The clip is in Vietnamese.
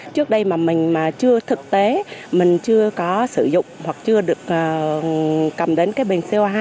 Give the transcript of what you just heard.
trước đây mà mình mà chưa thực tế mình chưa có sử dụng hoặc chưa được cầm đến cái bình co hai